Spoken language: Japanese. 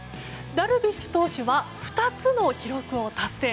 ダルビッシュ投手は２つの記録を達成。